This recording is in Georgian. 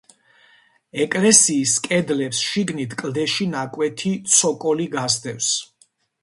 ეკლესიის კედლებს შიგნით კლდეში ნაკვეთი ცოკოლი გასდევს.